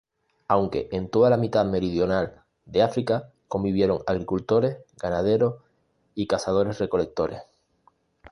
Aunque en toda la mitad meridional de África convivieron agricultores, ganaderos y cazadores-recolectores.